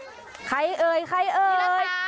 พี่ระถาใครเฮยใครเฮย